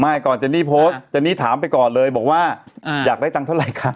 ไม่ก่อนเจนนี่สั่นถามไปก่อนเลยว่าอยากได้เงินเท่าไหร่คะ